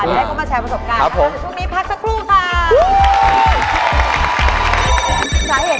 เดี๋ยวให้เขามาแชว์ประสบการณ์ทั้งชุดนี้พักซักครู่ค่ะ